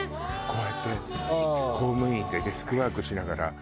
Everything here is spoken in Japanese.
こうやって公務員でデスクワークしながら。